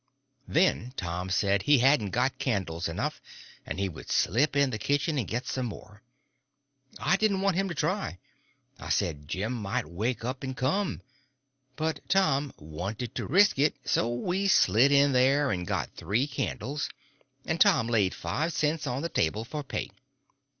Then Tom said he hadn't got candles enough, and he would slip in the kitchen and get some more. I didn't want him to try. I said Jim might wake up and come. But Tom wanted to resk it; so we slid in there and got three candles, and Tom laid five cents on the table for pay.